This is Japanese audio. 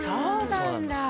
そうなんだ